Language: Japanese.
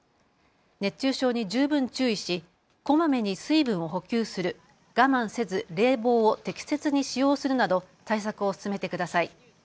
熱中症に十分注意しこまめに水分を補給する、我慢せず冷房を適切に使用するなど対策を進めてください。